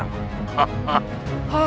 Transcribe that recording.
ada apa ya